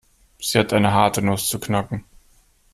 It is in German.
Sie hat eine harte Nuss zu knacken.